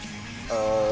ああ。